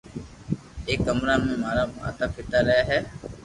ايڪ ڪمرا مي مارا ماتا پيتا رھي ھي